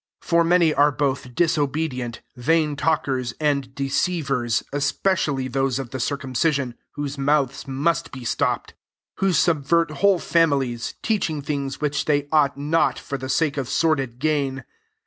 10 For many are [both] dis obedient, vain talkers, and de ceivers, especially those of the circumcision, 11 whose mouths must be stopped : who subvert whole families, teaching things which they ought not, for the sake of sordid gain.